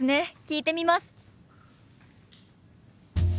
聞いてみます。